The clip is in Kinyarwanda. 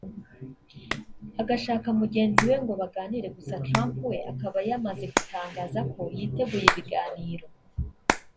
agashaka mugenzi we ngo baganire gusa Trump we akaba yamaze gutangaza ko yiteguye ibiganiro